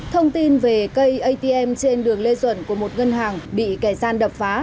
thông tin về cây atm trên đường lê duẩn của một ngân hàng bị kẻ gian đập phá